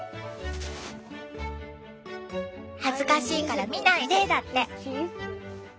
「恥ずかしいから見ないで」だって。